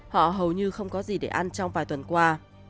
họ hầu như không có gì để ăn trong vài tuần qua